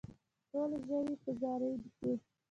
ټوله ژوي په زاري کې.